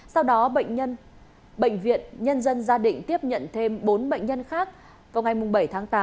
sau đó bệnh nhân bệnh viện nhân dân gia định tiếp nhận thêm bốn bệnh nhân khác vào ngày bảy tháng tám